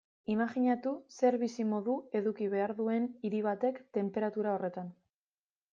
Imajinatu zer bizimodu eduki behar duen hiri batek tenperatura horretan.